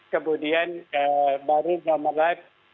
kemudian baru normalize